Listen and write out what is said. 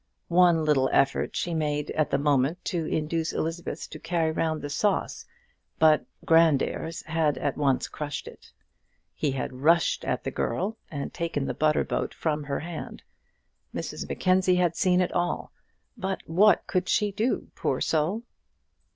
One little effort she made at the moment to induce Elizabeth to carry round the sauce, but Grandairs had at once crushed it; he had rushed at the girl and taken the butter boat from her hand. Mrs Mackenzie had seen it all; but what could she do, poor soul?